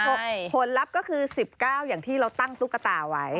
ผลลัพธ์ก็คือ๑๙อย่างที่เราตั้งตุ๊กตาไว้